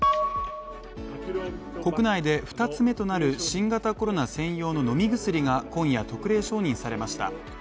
国内で２つ目となる新型コロナ専用の飲み薬が今夜、特例承認されました。